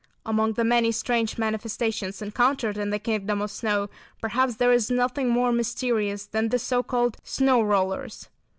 Among the many strange manifestations encountered in the kingdom of snow, perhaps there is nothing more mysterious than the so called "snow rollers."